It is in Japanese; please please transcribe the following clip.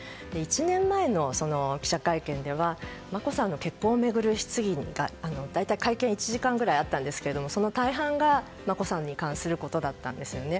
１年前の記者会見では眞子さんの結婚を巡る質疑が大体１時間くらいあったんですがその大半が眞子さんに関することだったんですね。